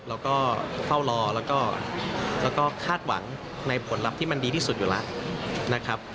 แล้วก็เฝ้ารอแล้วก็คาดหวังในผลลัพธ์ที่มันดีที่สุดอยู่แล้วนะครับ